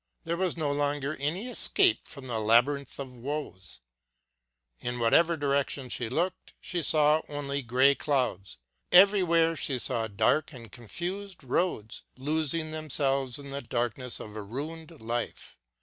There was no longer any escape from this labyrinth of woes ! In whatever direction she looked, she saw only grey clouds ; everywhere she saw dark and confused roads losing themselves in the darkness of a ruined life.